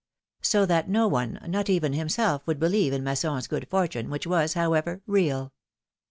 So that no one, not even himself, would believe in Mas son's good fortune, which was, however, real.